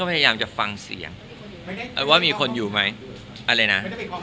พยายามจะฟังเสียงว่ามีคนอยู่ไหมอะไรนะ